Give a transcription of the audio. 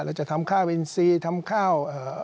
เราจะทำข้าวอินทรีย์ทำข้าว